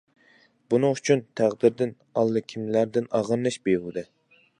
بۇنىڭ ئۈچۈن تەقدىردىن، ئاللىكىملەردىن ئاغرىنىش بىھۇدە.